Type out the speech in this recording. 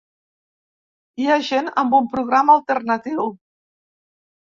Hi ha gent amb un programa alternatiu.